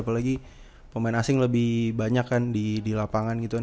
apalagi pemain asing lebih banyak kan di lapangan gitu kan